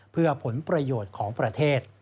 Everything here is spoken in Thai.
เพื่อผลประโยชน์ของประเทศ